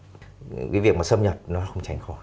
cái việc mà xâm nhập nó không tránh khỏi